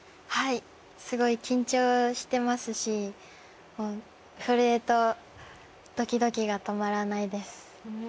はいすごい緊張してますしもう震えとドキドキが止まらないです。